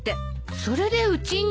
それでうちに？